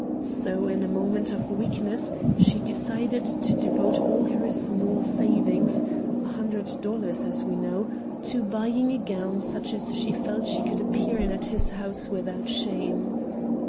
So in a moment of weakness she decided to devote all her small savings (a hundred dollars, as we know) to buying a gown such as she felt she could appear in at his house without shame.